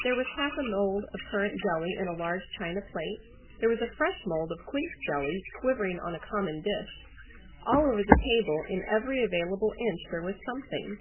There was half a mould of currant jelly in a large china plate, there was a fresh mould of quince jelly quivering on a common dish. All over the table in every available inch there was something.